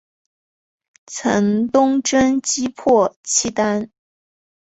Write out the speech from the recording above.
曾东征击破契丹。